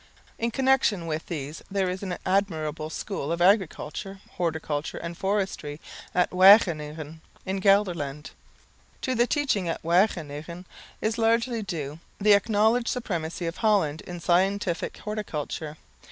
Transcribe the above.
In connection with these there is an admirable School of Agriculture, Horticulture and Forestry at Wageningen in Gelderland. To the teaching at Wageningen is largely due the acknowledged supremacy of Holland in scientific horticulture.